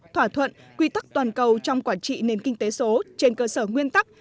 thỏa thuận quy tắc toàn cầu trong quản trị nền kinh tế số trên cơ sở nguyên tắc